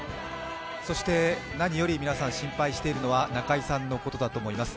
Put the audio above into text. そして何より皆さん、心配しているのは中居さんのことだと思います。